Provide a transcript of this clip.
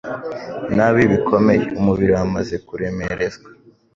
nabi bikomeye umubiri wamaze kuremerezwa.